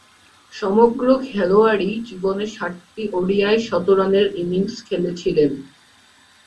সমগ্র খেলোয়াড়ী জীবনে সাতটি ওডিআই শতরানের ইনিংস খেলেছিলেন।